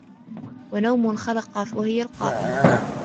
وَنَوْمُ خَلَقٍ وَهِيَ الْقَائِلَةُ